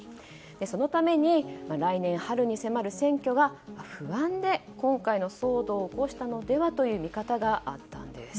そのために、来年春に迫る選挙が不安で、今回の騒動を起こしたのではという見方があったんです。